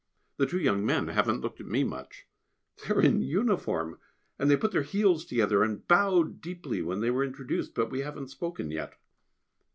The two young men haven't looked at me much. They are in uniform! and they put their heels together and bowed deeply when they were introduced, but we haven't spoken yet.